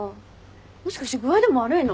もしかして具合でも悪いの？